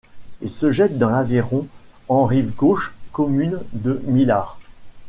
Il se jette dans l'Aveyron en rive gauche commune de Milhars.